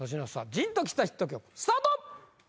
ジーンときたヒット曲スタート！